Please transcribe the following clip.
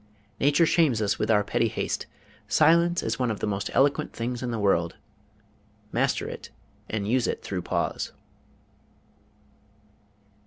Nature shames us with our petty haste. Silence is one of the most eloquent things in the world. Master it, and use it through pause.